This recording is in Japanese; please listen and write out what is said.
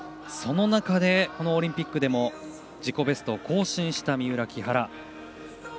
その中でこのオリンピックでも自己ベストを更新した三浦、木原。